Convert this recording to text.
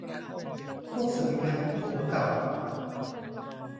ศักดินาคือพวกหัวเก่า ?